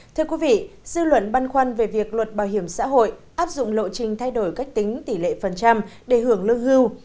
thưa quý vị dư luận băn khoăn về việc luật bảo hiểm xã hội áp dụng lộ trình thay đổi cách tính tỷ lệ phần trăm để hưởng lương hưu